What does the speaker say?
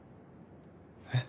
えっ！？